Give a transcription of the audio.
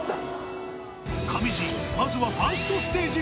まずはファーストステージ